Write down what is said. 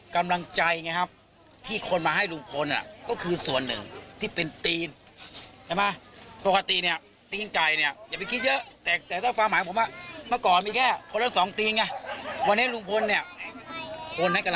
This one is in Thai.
กำลังใจเนี่ยครับที่คนมาให้ลุงพล